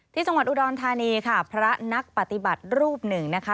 ที่จังหวัดอุดรธานีค่ะพระนักปฏิบัติรูปหนึ่งนะคะ